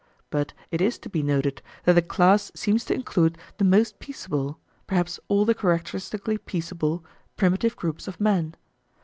But it is to be noted that the class seems to include the most peaceable perhaps all the characteristically peaceable primitive groups of men.